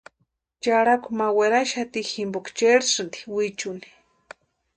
Charhaku ma weraxati jimpoka chérhisïnti wichuni.